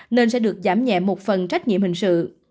nên sẽ được giảm nhẹ một phần trách nhiệm hình sự